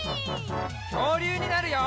きょうりゅうになるよ！